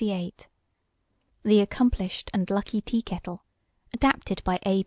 THE ACCOMPLISHED AND LUCKY TEAKETTLE ADAPTED BY A.